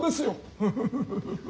フフフフ。